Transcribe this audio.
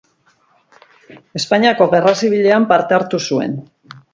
Espainiako Gerra Zibilean parte hartu zuen.